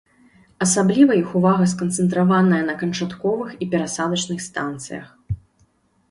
Асабліва іх увага сканцэнтраваная на канчатковых і перасадачных станцыях.